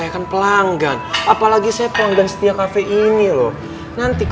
ia langsung tetep bonc bonc